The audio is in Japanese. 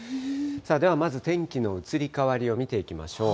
ではまず天気の移り変わりを見ていきましょう。